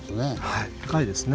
はい高いですね。